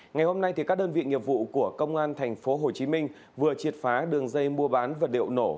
ngày hôm nay các đơn vị nghiệp vụ của công an tp hcm vừa triệt phá đường dây mua bán vật liệu nổ